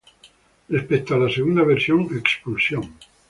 Respecto a la segunda versión, "Expulsión.